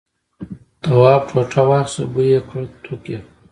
تواب ټوټه واخیسته بوی یې کړ توک یې.